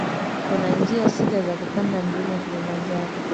Kuna njia sita za kupanda mlima kilimanjaro